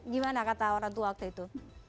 gimana kata orang tua waktu itu